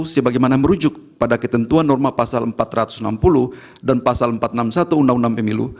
sebagaimana merujuk pada ketentuan norma pasal empat ratus enam puluh dan pasal empat ratus enam puluh satu undang undang pemilu